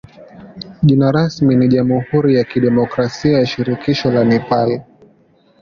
Jina rasmi ni jamhuri ya kidemokrasia ya shirikisho la Nepal.